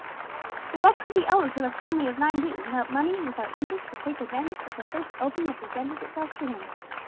"But what could the eldest of a family of nine do, without money, without interest, but take advantage of the first opening that presented itself to him?"